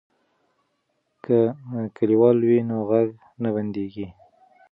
که کلیوال وي نو غږ نه بندیږي.